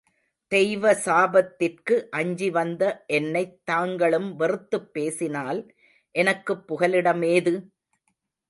தெய்வ சாபத்திற்கு அஞ்சி வந்த என்னைத் தாங்களும் வெறுத்துப் பேசினால் எனக்குப் புகலிடம் ஏது?